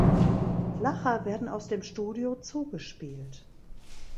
Lacher werden aus dem Studio zugespielt.